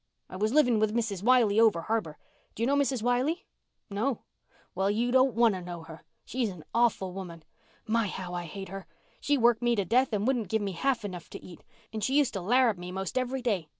I was living with Mrs. Wiley over harbour. Do you know Mrs. Wiley?" "No." "Well, you don't want to know her. She's an awful woman. My, how I hate her! She worked me to death and wouldn't give me half enough to eat, and she used to larrup me 'most every day.